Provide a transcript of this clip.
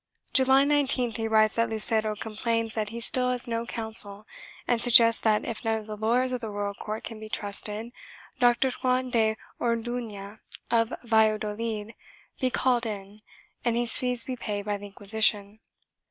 July 19th he writes that Lucero complains that he still has no counsel and he suggests that, if none of the lawyers of the royal court can be trusted, Doctor Juan de Orduiia of Valladolid be called in and his fees be paid by the Inquisition.